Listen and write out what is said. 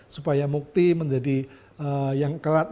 supaya mukti menjadi yang kerat